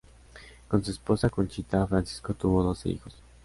Con su esposa Conchita, Francisco tuvo doce hijos.